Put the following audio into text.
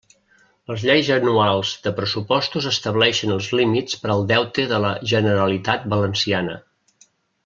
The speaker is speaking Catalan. Les lleis anuals de pressupostos estableixen els límits per al deute de la Generalitat Valenciana.